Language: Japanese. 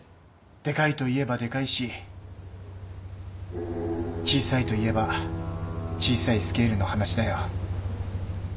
でかいといえばでかいし小さいといえば小さいスケールの話だよ。